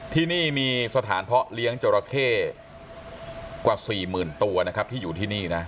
ที่นี่มีสถานเพาะเลี้ยงจราเข้กว่า๔๐๐๐ตัวนะครับที่อยู่ที่นี่นะ